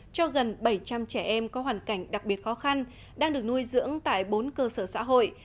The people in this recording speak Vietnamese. cho gần bảy trăm linh trẻ em có hoàn cảnh đặc biệt khó khăn đang được nuôi dưỡng tại bốn cơ sở xã hội